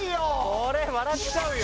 これ笑っちゃうよ